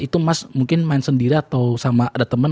itu mas mungkin main sendiri atau sama ada teman